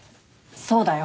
そうだよ。